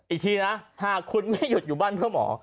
อีกทีนะหากคุณไม่หยุดอยู่บ้านเพื่อหมอ